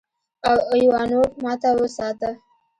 او ايوانوف ماته وساته.